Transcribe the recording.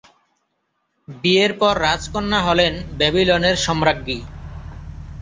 বিয়ের পর রাজকন্যা হলেন ব্যাবিলনের সম্রাজ্ঞী।